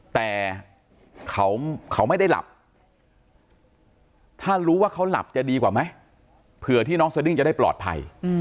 แต่เขาไม่ได้หลับถ้ารู้ว่าเขาหลับจะดีกว่าไหมเผื่อที่น้องสดิ้งจะได้ปลอดภัย